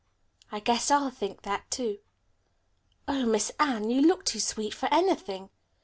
"I guess I'll think that, too." "Oh, Miss Anne, you look too sweet for anything."